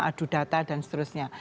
aduh data dan seterusnya